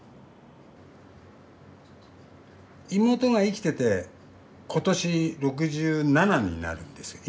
妹が生きてて今年６７になるんですよ。